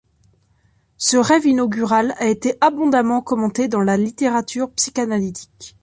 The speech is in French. Ce rêve inaugural a été abondamment commenté dans la littérature psychanalytique.